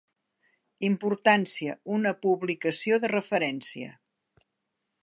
Importància: una publicació de referència.